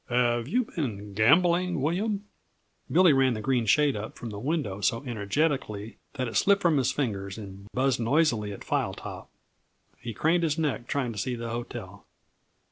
"Have you been gambling, William?" Billy ran the green shade up from the window so energetically that it slipped from his fingers and buzzed noisily at file top. He craned his neck, trying to see the hotel.